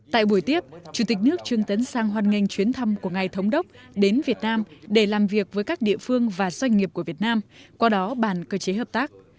tại buổi tiếp chủ tịch nước trương tấn sang hoàn nghênh chuyến thăm của ngài thống đốc đến việt nam để làm việc với các địa phương và doanh nghiệp của việt nam qua đó bàn cơ chế hợp tác